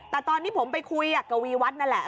แต่ตอนที่ผมไปคุยกับกวีวัฒน์นั่นแหละ